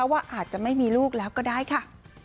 ว่าอาจจะไม่มีลูกแล้วก็ได้ค่ะ